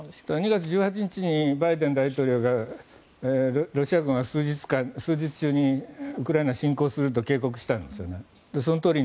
２月１８日にバイデン大統領がロシア軍は数日中にウクライナ侵攻すると警告したんですよね。